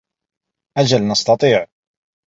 أجل نستطيع.